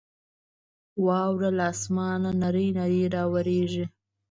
واوره له اسمانه نرۍ نرۍ راورېږي.